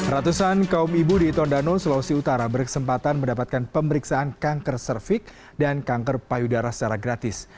ratusan kaum ibu di tondano sulawesi utara berkesempatan mendapatkan pemeriksaan kanker cervix dan kanker payudara secara gratis